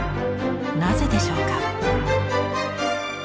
なぜでしょうか。